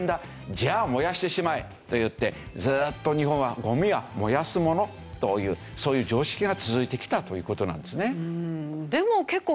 じゃあ燃やしてしまえといってずっと日本はゴミは燃やすものというそういう常識が続いてきたという事なんですね。